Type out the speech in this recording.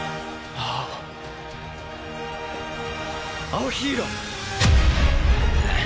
アオヒーロー！